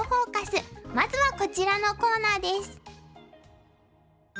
まずはこちらのコーナーです。